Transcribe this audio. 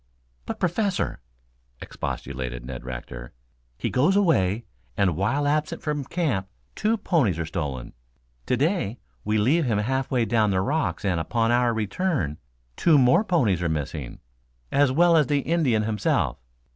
"But, Professor," expostulated Ned Rector, "he goes away, and while absent from camp two ponies are stolen. To day we leave him halfway down the rocks and upon our return, two more ponies are missing, as well as the Indian himself.